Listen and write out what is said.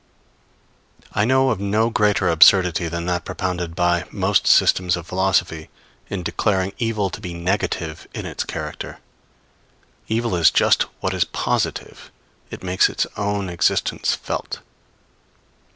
I know of no greater absurdity than that propounded by most systems of philosophy in declaring evil to be negative in its character. Evil is just what is positive; it makes its own existence felt.